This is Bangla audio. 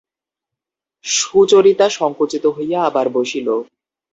সুচরিতা সংকুচিত হইয়া আবার বসিল।